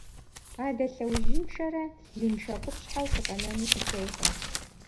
Адэ лъэужьыншэрэ лыншэ къупщхьэу сыкъэнэну сыхуейкъым.